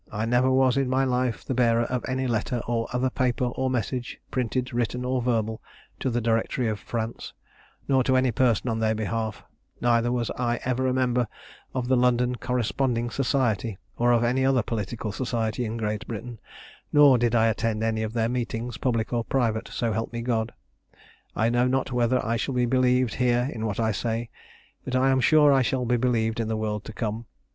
I never was in my life the bearer of any letter, or other paper or message, printed, written, or verbal, to the Directory of France, nor to any person on their behalf; neither was I ever a member of the London Corresponding Society, or of any other political society in Great Britain; nor did I attend any of their meetings, public or private, so help me God! I know not whether I shall be believed here in what I say, but I am sure I shall be believed in the world to come.